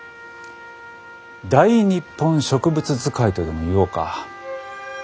「大日本植物図解」とでも言おうか。